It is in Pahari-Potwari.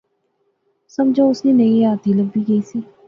سمجھو اس نئی حیاتی لبی گئی سی